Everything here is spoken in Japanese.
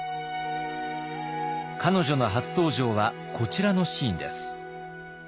彼女の初登場はこちらのシーンです。